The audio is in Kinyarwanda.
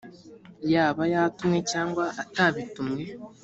yaba yatumwe cyangwa atabitumwe